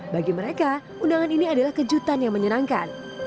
bagi mereka undangan ini adalah kejutan yang menyenangkan